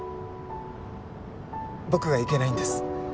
僕がいけないんです